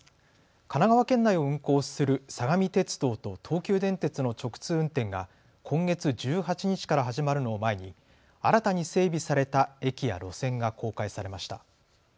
神奈川県内を運行する相模鉄道と東急電鉄の直通運転が今月１８日から始まるのを前に新たに整備された駅や路線が公開されました。